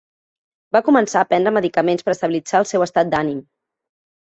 Va començar a prendre medicaments per estabilitzar el seu estat d'ànim.